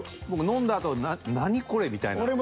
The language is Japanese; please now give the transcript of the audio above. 僕飲んだあと「何これ」みたいな。